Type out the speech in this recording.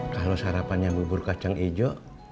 kalau sarapannya bubur kacang hijau